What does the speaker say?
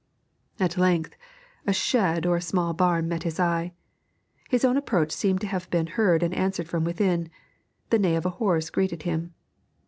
At length a shed or small barn met his eye. His own approach seemed to have been heard and answered from within; the neigh of a horse greeted him.